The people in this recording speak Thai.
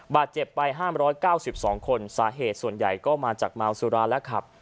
บาดเจ็บไป๕๙๒คนสาเหตุส่วนใหญ่ก็มาจากเมาสุราและขับ